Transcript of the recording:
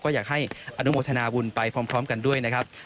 ก็อยากให้อนุโมทนาบุญไปพร้อมกันด้วยนะครับ